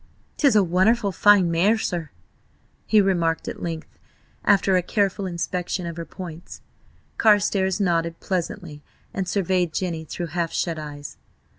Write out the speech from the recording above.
"'Tis a wunnerful fine mare, sir," he remarked at length, after a careful inspection of her points. Carstares nodded pleasantly, and surveyed Jenny through half shut eyes.